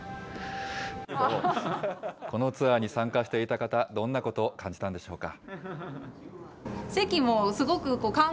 このツアーに参加していた方、どんなこと、感じたんでしょうか。